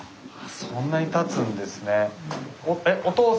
そんなにたつんですね。